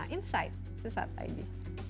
insight sesaat ini